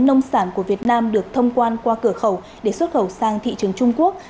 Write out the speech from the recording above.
nông sản của việt nam được thông quan qua cửa khẩu để xuất khẩu sang thị trường trung quốc